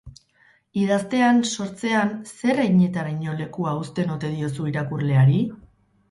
Idaztean, sortzean, zer heinetaraino lekua uzten ote diozu irakurleari?